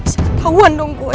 saya kepauan dong gue